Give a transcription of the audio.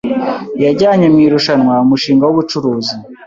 yajyanye mu irushanwa umushinga w’ubucuruzi